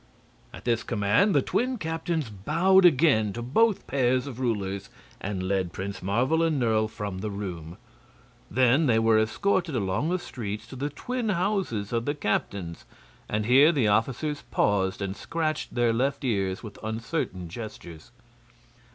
At this command the twin captains bowed again to both pairs of rulers and led Prince Marvel and Nerle from the room. Then they were escorted along the streets to the twin houses of the captains, and here the officers paused and scratched their left ears with uncertain gestures.